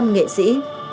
hai trăm linh nghệ sĩ